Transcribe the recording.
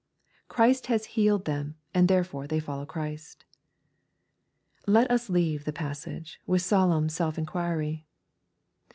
Christ has healed them, and therefore they follow Christ Let us leave the passage with solemn self inquiry.